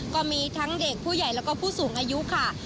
ก็มีทั้งเด็กผู้ใหญ่แล้วก็ผู้สูงอายุค่ะ